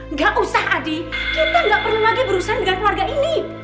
nggak usah adik kita nggak perlu lagi berurusan dengan keluarga ini